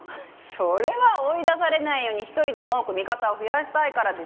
それは追い出されないように１人でも多く味方を増やしたいからでしょ。